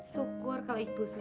syukur kalau ibu suka